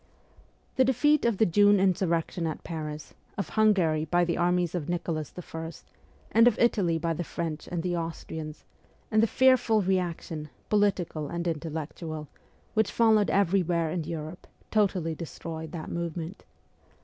The defeat of the June insurrection at Paris, of Hungary by the armies of Nicholas I., and of Italy by the French and the Austrians, and the fearful reaction, political and intellectual, which followed everywhere in Europe, totally destroyed that movement.